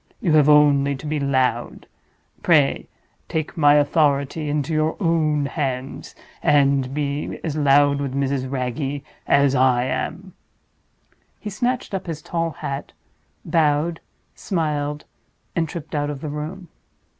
You have only to be loud. Pray take my authority into your own hands, and be as loud with Mrs. Wragge as I am!" He snatched up his tall hat, bowed, smiled, and tripped out of the room.